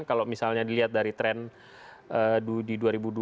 kalau misalnya dilihat dari tren di dua ribu dua puluh